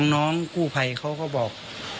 น้องกู้ภัยเขาก็บอก